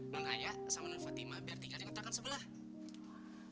nun aya sama nun fatima biar tinggal di kota kan sebelah